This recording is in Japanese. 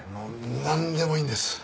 なんでもいいんです。